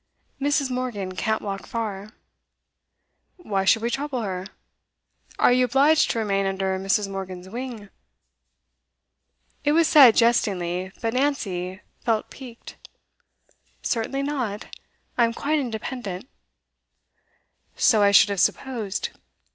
'Mrs. Morgan can't walk far.' 'Why should we trouble her? Are you obliged to remain under Mrs. Morgan's wing?' It was said jestingly, but Nancy felt piqued. 'Certainly not. I am quite independent.' 'So I should have supposed.